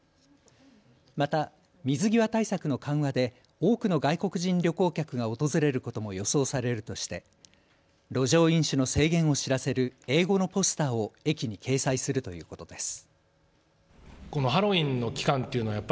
また水際対策の緩和で多くの外国人旅行客が訪れることも予想されるとして路上飲酒の制限を知らせる英語のポスターを駅に掲載するということです。